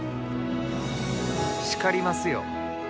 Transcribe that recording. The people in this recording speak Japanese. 叱りますよ。